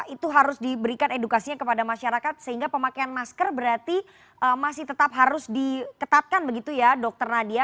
itu harus diberikan edukasinya kepada masyarakat sehingga pemakaian masker berarti masih tetap harus diketatkan begitu ya dokter nadia